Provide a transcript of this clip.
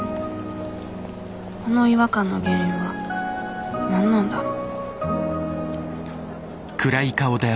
この違和感の原因は何なんだろう